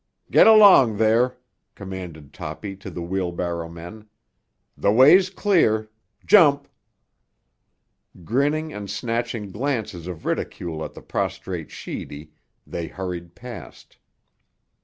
"Get along there!" commanded Toppy to the wheel barrowmen. "The way's clear. Jump!" Grinning and snatching glances of ridicule at the prostrate Sheedy, they hurried past.